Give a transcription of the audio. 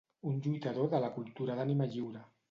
Un lluitador de la cultura d’ànima lliure.